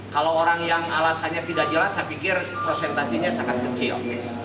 kalau orang yang alasannya tidak jelas saya pikir prosentasenya sangat kecil